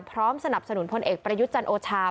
สนับสนุนพลเอกประยุทธ์จันโอชา